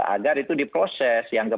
agar itu diproses yang ke